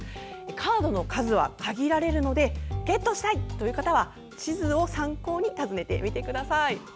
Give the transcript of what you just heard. カードの数は限られるのでゲットしたいという方は地図を参考に訪ねてみてください。